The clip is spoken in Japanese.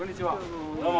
どうも。